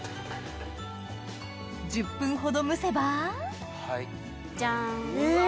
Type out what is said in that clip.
１０分ほど蒸せばジャン。え！